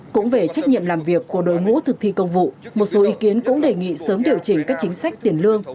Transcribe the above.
cũng về trách nhiệm làm việc của đội ngũ thực thi công vụ một số ý kiến cũng đề nghị sớm điều chỉnh các chính sách tiền lương